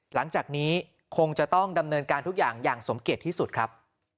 หลังจากนี้คงจะต้องดำเนินการทุกอย่างอย่างสมเกียจที่สุดครับ